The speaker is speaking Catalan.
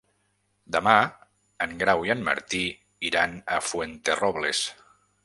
Demà en Grau i en Martí iran a Fuenterrobles.